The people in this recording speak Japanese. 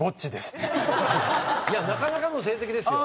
いやなかなかの成績ですよ。